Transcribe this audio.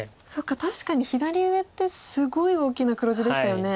確かに左上ってすごい大きな黒地でしたよね。